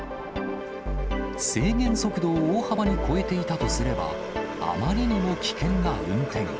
制限速度を大幅に超えていたとすれば、あまりにも危険な運転。